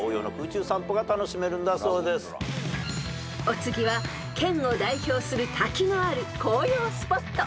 ［お次は県を代表する滝のある紅葉スポット］